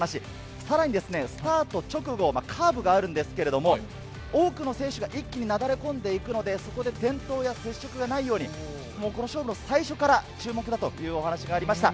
さらにスタート直後、カーブがあるんですけれども、多くの選手が一気になだれ込んでいくので、そこで転倒や接触がないように、この勝負の最初から注目だというお話がありました。